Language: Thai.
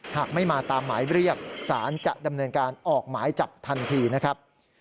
หากไม่มาตามหมายเรียกสารจะดำเนินการออกหมายจับทันทีนะครับ